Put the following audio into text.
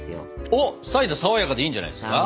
おっサイダーさわやかでいいんじゃないですか。